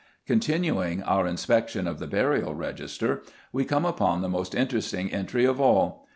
Continuing our inspection of the Burial Register, we come upon the most interesting entry of all.